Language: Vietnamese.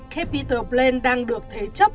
capital plan đang được thế chấp